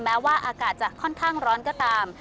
แม้ว่าอากาศจะค่อนข้างร้อนก็ตาม